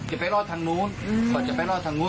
จะไปรอดทางนู้นก่อนจะไปรอดทางนู้น